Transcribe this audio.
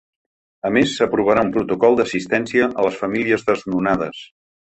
A més, s’aprovarà un protocol d’assistència a les famílies desnonades.